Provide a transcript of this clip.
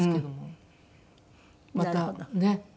またねっ。